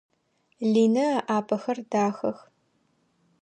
Линэ ыӏапэхэр дахэх.